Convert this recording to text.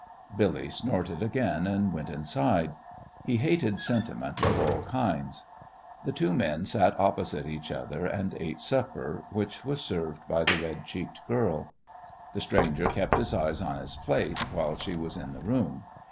Billy snorted again and went inside. He hated sentiment of all kinds. The two men sat opposite each other and ate supper, which was served by the red cheeked girl. The stranger kept his eyes on his plate while she was in the room.